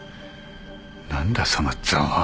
何だそのざまは。